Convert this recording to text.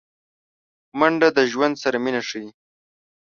منډه د ژوند سره مینه ښيي